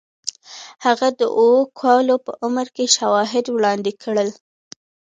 هغه د اوو کالو په عمر کې شواهد وړاندې کړل